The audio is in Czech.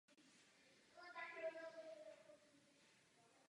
Je dostupný jako lehký a těžký minerální olej.